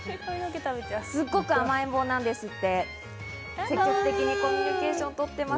すっごく甘えん坊なんですって。